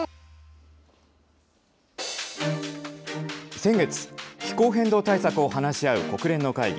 先月、気候変動対策を話し合う国連の会議